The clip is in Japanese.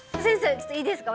ちょっといいですか？